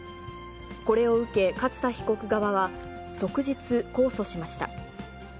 これを受け、勝田被告側は即日控訴しました。